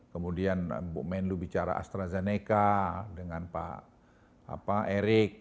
kemudian bu menlu bicara astrazeneca dengan pak erik